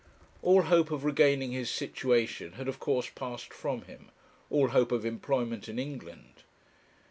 All hope of regaining his situation had of course passed from him, all hope of employment in England.